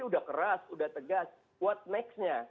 sudah keras sudah tegas what next nya